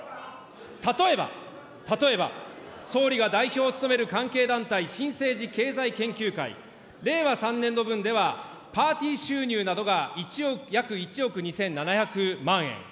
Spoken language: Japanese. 例えば、例えば、総理が代表を務める関係団体、新政治経済研究会、令和３年度分では、パーティー収入などが約１億２７００万円。